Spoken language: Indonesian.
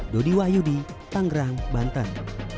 dodi wahyudi tanggerang banten